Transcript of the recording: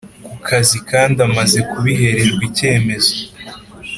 Ku kazi kandi amaze kubihererwa icyemezo